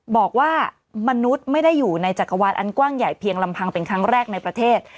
บอกว่ามนุษย์ไม่ได้อยู่ในจักรวาลอันกว้างใหญ่เพียงลำพังเป็นครั้งแรกในประเทศ